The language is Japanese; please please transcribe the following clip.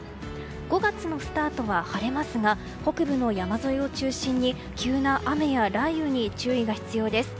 ５月のスタートは晴れますが北部の山沿いを中心に急な雨や雷雨に注意が必要です。